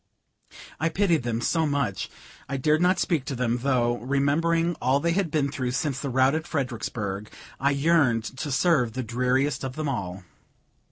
I pitied them so much, I dared not speak to them, though, remembering all they had been through since the rout at Fredericksburg, I yearned to serve the dreariest of them all.